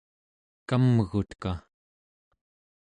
kamguka